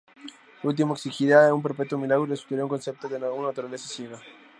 Lo último exigiría un perpetuo milagro y resultaría un concepto de una naturaleza ciega.